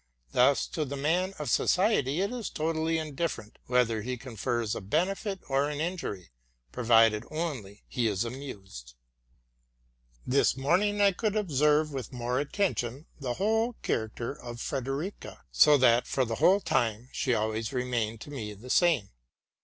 Thus, to the man of society, it is totally indifferent whether he confers a benefit or an injury, provided he be amused. That morning I could observe, with more attention, the whole character of Frederica ; so that, for the whole time, she always remained to me the same.